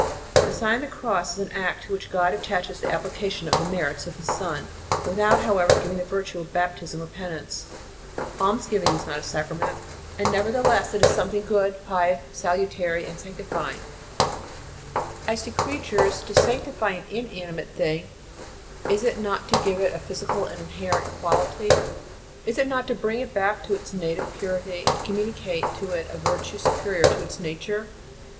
"* The Sign of the Cross is an act to which God attaches the application of the merits of His son, without, however, giving it the virtue of baptism or penance. Almsgiving is * Lib. ii. De Peccat. merit, et remise., c. cxxvi. 25 290 The Sign of the Cross not a sacrament; and nevertheless, it is some thing good, pious, salutary and sanctifying. As to creatures, to sanctify an inanimate thing, is it not to give it a physical and in herent quality? Is it not to bring it back to its native purity, and communicate to it a virtue superior to its nature?